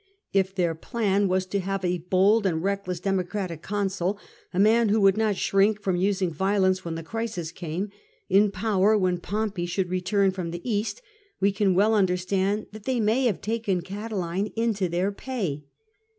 If their plan was to have a bold and reckless Democratic consul — a man who would not shrink from using violence when the crisis came — in power, when Pompey should return from the East, we can well understand that they may have taken Catiline into their pay.